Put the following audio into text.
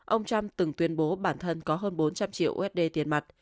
ông trump từng tuyên bố bản thân có hơn bốn trăm linh triệu usd tiền mặt